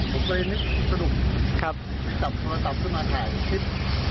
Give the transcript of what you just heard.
ผมเลยนึกสนุกครับจับโทรศัพท์ขึ้นมาถ่ายคลิป